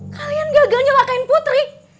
kalian gagal nyelakain putri